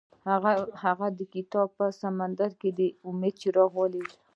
هغه د کتاب په سمندر کې د امید څراغ ولید.